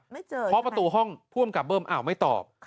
ไม่เจอใช่ไหมพอประตูห้องผู้กำกับเบิ้มอ้าวไม่ตอบ